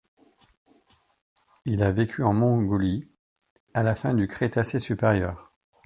Il a vécu en Mongolie, à la fin du Crétacé supérieur.